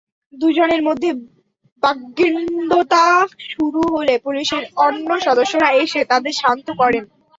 দুজনের মধ্যে বাগ্বিণ্ডতা শুরু হলে পুলিশের অন্য সদস্যরা এসে তাঁদের শান্ত করেন।